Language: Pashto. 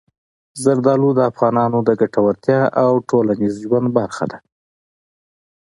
زردالو د افغانانو د ګټورتیا او ټولنیز ژوند برخه ده.